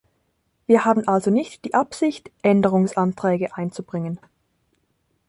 Wir haben also nicht die Absicht, Änderungsanträge einzubringen.